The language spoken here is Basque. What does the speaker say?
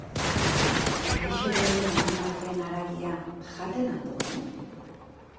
Gaixo dauden animalien haragia jaten al dugu?